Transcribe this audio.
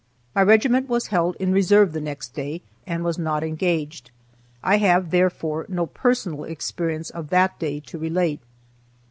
My regiment was held in reserve the next day, and was not engaged. I have, therefore, no personal experience of that day to relate.